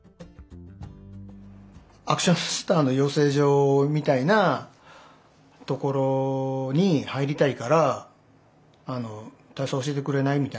アクションスターの養成所みたいなところに入りたいから体操教えてくれない？